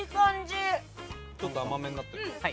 ちょっと甘めになってるうん